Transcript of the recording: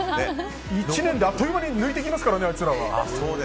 １年であっという間に抜いてきますからね。